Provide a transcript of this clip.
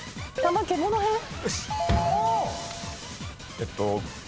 えっと。